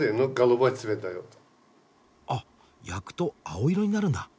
あっ焼くと青色になるんだ。